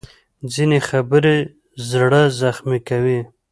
ځینې خبرې زړه زخمي کوي